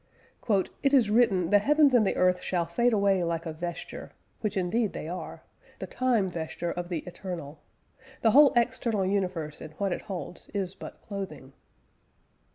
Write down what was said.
"It is written, the Heavens and the Earth shall fade away like a Vesture; which indeed they are: the Time Vesture of the Eternal.... The whole External Universe and what it holds is but Clothing...."